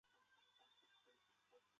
该党支持政党联盟零削减。